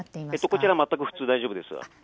こちらは全く普通で大丈夫です。